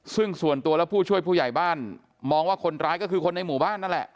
ซึ่งส่วนตัวและผู้ช่วยผู้ใหญ่บ้านมองว่าคนร้ายก็คือคนในหมู่บ้านนั่นแหละ